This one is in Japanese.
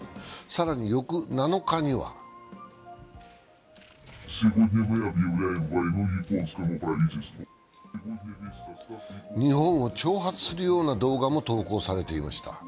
更に翌７日には日本を挑発するような動画も投稿されていました。